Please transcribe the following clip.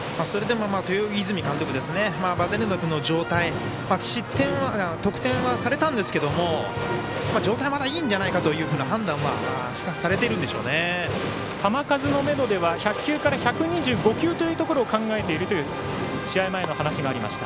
豊泉監督、ヴァデルナ君の状態失点はされたんですけども状態、まだいいんじゃないかという判断を球数のめどは１００球から１２５球を考えているという試合前にお話がありました。